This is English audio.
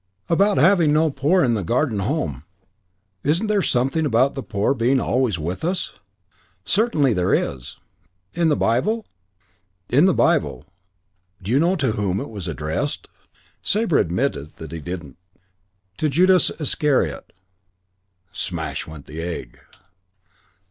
"About having no poor in the Garden Home. Isn't there something about the poor being always with us?" "Certainly there is." "In the Bible?" "In the Bible. Do you know to whom it was addressed?" Sabre admitted that he didn't. "To Judas Iscariot." (Smash went the egg!)